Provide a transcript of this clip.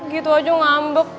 gitu aja ngambek